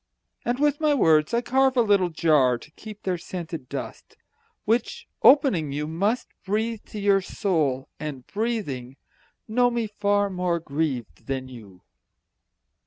And with my words I carve a little jar To keep their scented dust, Which, opening, you must Breathe to your soul, and, breathing, know me far More grieved than you.